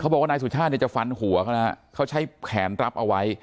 บอกว่านายสุชาติเนี่ยจะฟันหัวเขานะเขาใช้แขนรับเอาไว้